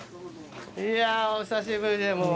いやお久しぶりでもう。